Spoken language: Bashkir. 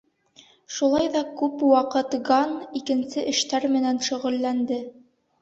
Шулай ҙа күп ваҡыт Ганн икенсе эштәр менән шөғөлләнде.